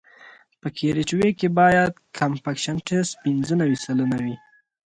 په کیریج وې کې باید کمپکشن ټسټ پینځه نوي سلنه وي